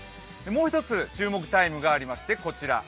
もう一つ注目タイムがありまして、こちら。